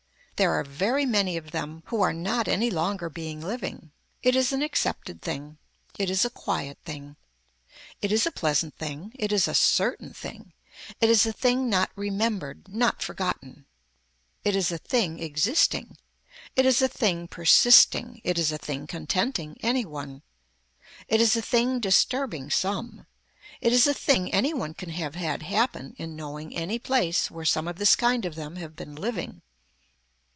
There are very many of them who are not any longer being living. It is an accepted thing. It is a quiet thing. It is a pleasant thing. It is a certain thing. It is a thing not remembered, not forgotten. It is a thing existing. It is a thing persisting. It is a thing contenting any one. It is a thing disturbing some. It is a thing any one can have had happen in knowing any place where some of this kind of them have been living.